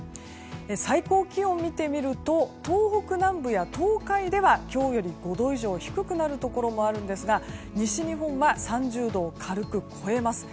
最高気温を見てみると東北南部や東海では今日より５度以上低くなるところもあるんですが西日本は３０度を軽く超えます。